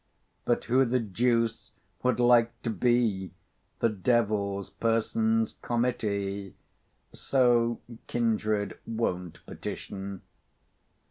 But who the deuce would like to be The devil's person's committee? So kindred won't petition.